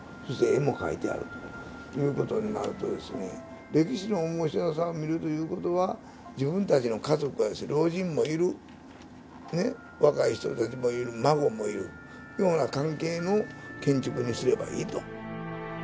そして絵も描いてあるということになるとですね、歴史のおもしろさを見るということは、自分たちの家族、老人もいる、若い人たちもいる、孫もいるというような関係の建築にすればいいと。